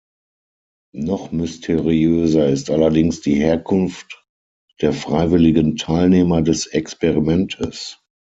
Noch mysteriöser ist allerdings die Herkunft der freiwilligen Teilnehmer des Experimentes.